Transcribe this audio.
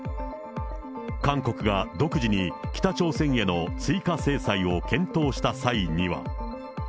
韓国が独自に北朝鮮への追加制裁を検討した際には。